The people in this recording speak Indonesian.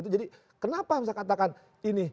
jadi kenapa misalnya katakan ini